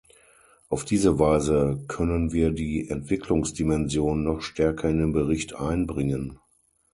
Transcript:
Auf diese Weise können wir die Entwicklungsdimension noch stärker in den Bericht einbringen.